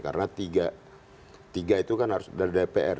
karena tiga tiga itu kan harus dari dpr